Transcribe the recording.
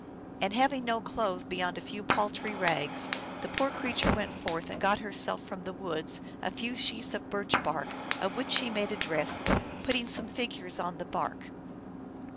And having no clothes beyond a few pal try rags, the poor creature went forth and got herself from the woods a few sheets of birch bark, of which she made a dress, putting some figures on the bark.